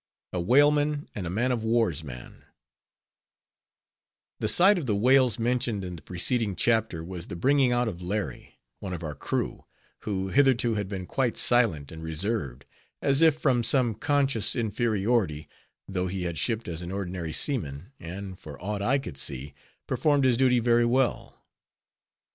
A WHALEMAN AND A MAN OF WAR'S MAN The sight of the whales mentioned in the preceding chapter was the bringing out of Larry, one of our crew, who hitherto had been quite silent and reserved, as if from some conscious inferiority, though he had shipped as an ordinary seaman, and, for aught I could see, performed his duty very well.